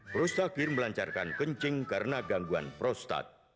prostat gyu melancarkan kencing karena gangguan prostat